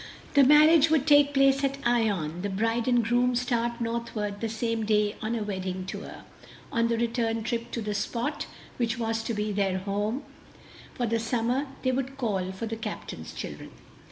The marriage would take place at Ion, the bride and groom start northward the same day on a wedding tour. On the return trip to the spot which was to be their home for the summer, they would call for the captain's children.